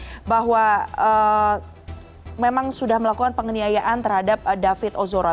karena dia sudah mengakui bahwa memang sudah melakukan penganiayaan terhadap david ozora